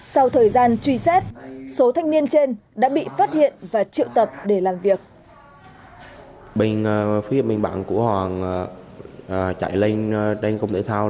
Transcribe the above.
sau thời gian truy xét số thanh niên trên đã bị phát hiện và triệu tập để làm việc